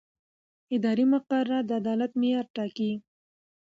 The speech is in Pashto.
اداري مقررات د عدالت معیار ټاکي.